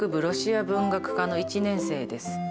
ロシア文学科の１年生です。